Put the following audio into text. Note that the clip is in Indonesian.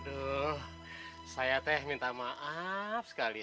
aduh saya teh minta maaf sekali